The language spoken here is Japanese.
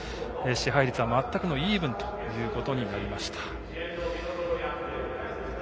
支配率は全くのイーブンとなりました。